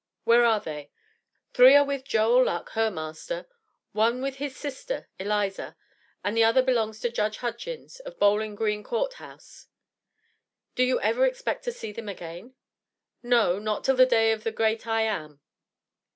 "Where are they?" "Three are with Joel Luck, her master, one with his sister Eliza, and the other belongs to Judge Hudgins, of Bowling Green Court House." "Do you ever expect to see them again?" "No, not till the day of the Great I am!"